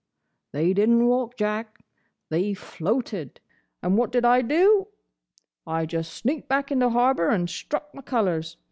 They did n't walk, Jack, they floated. And what did I do? I just sneaked back into harbour, and struck my colours.